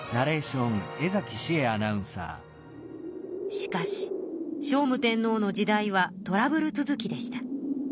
しかし聖武天皇の時代はトラブル続きでした。